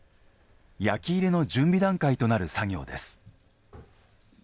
焼き入れの準備段階となる作業です。